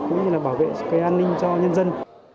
cũng như là bảo vệ cái an ninh cho nhân dân